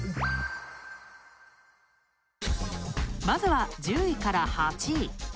まずは１０位から８位。